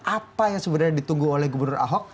apa yang sebenarnya ditunggu oleh gubernur ahok